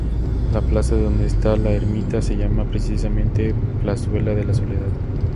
La plaza donde está la ermita se llama precisamente "Plazuela de la Soledad".